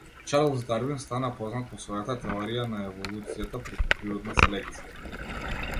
Чарлс Дарвин стана познат по својата теорија на еволуцијата преку природна селекција.